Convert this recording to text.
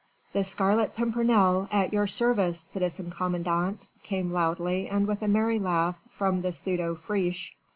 "The Scarlet Pimpernel, at your service, citizen commandant," came loudly and with a merry laugh from the pseudo Friche.